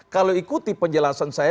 kalau ikuti penjelasan saya